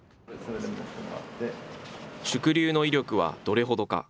縮流の威力はどれほどか。